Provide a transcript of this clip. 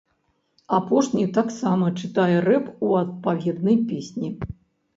Апошні таксама чытае рэп у адпаведнай песні.